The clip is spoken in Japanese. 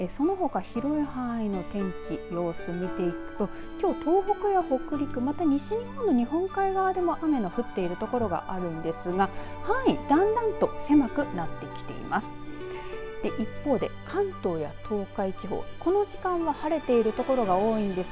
そのほか、広い範囲の天気様子を見ていくときょう東北や北陸西日本の日本海側でも雨の降っている所があるんですが範囲、だんだんと狭くなってきています。